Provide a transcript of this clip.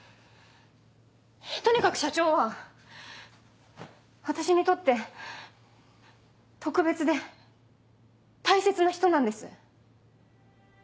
とにかく社長は私にとって特別で大切な人なんです。